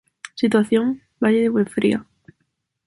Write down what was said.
Situación: Valle de Fuenfría.